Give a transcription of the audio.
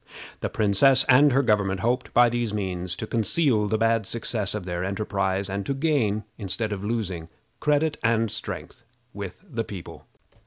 The princess and her government hoped, by these means, to conceal the bad success of their enterprise, and to gain, instead of losing, credit and strength with the people.